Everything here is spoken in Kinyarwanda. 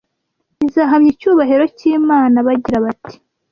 izahamya icyubahiro cy’Imana bagira bati